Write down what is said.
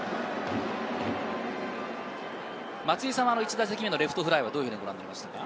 １打席目のレフトフライは、どうご覧になりましたか？